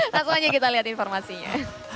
langsung aja kita lihat informasinya